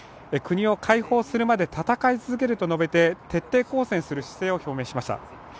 国を解放するまで戦い続けると述べて徹底抗戦する姿勢を表明しました。